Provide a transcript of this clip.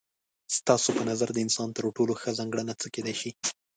ستا په نظر د انسان تر ټولو ښه ځانګړنه څه کيدای شي؟